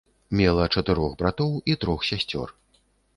Мела чатырох братоў і трох сясцёр.